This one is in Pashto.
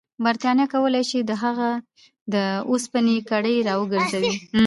برټانیه کولای شي پر هغه د اوسپنې کړۍ راوګرځوي.